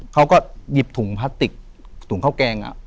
เขาก็หยิบถุงพลาสติกถุงข้าวแกง